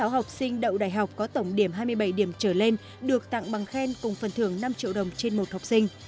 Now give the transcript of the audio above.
sáu học sinh đậu đại học có tổng điểm hai mươi bảy điểm trở lên được tặng bằng khen cùng phần thưởng năm triệu đồng trên một học sinh